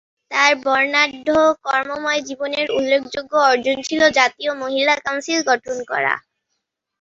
তার বর্ণাঢ্য কর্মময় জীবনের উল্লেখযোগ্য অর্জন ছিল জাতীয় মহিলা কাউন্সিল গঠন করা।